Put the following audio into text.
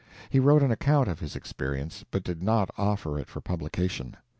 He wrote an account of his experience, but did not offer it for publication.